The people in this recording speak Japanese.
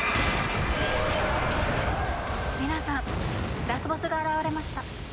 皆さんラスボスが現れました。